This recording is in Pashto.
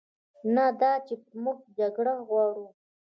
نه دا چې موږ جګړه غواړو،